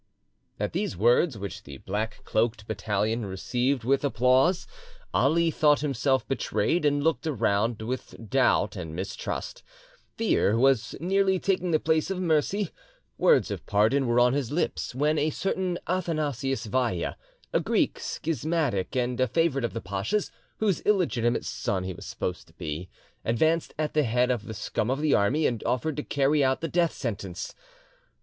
At these words; which the black cloaked battalion received with applause, Ali thought himself betrayed, and looked around with doubt and mistrust. Fear was nearly taking the place of mercy, words of pardon were on his lips, when a certain Athanasius Vaya, a Greek schismatic, and a favourite of the pacha's, whose illegitimate son he was supposed to be, advanced at the head of the scum of the army, and offered to carry out the death sentence.